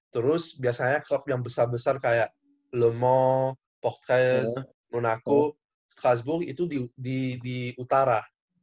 terus biasanya klub yang besar besar kayak le mans port caisse monaco strasbourg itu di utara